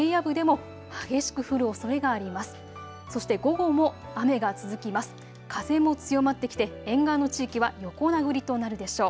風も強まってきて沿岸の地域は横殴りとなるでしょう。